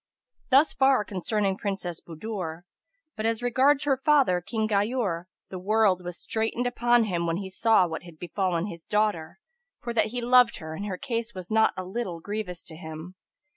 [FN#282] Thus far concerning Princess Budur; but as regards her father, King Ghayur, the world was straitened upon him when he saw what had befallen his daughter, for that he loved her and her case was not a little grievous to him.